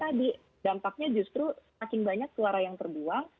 tadi dampaknya justru makin banyak suara yang terbuang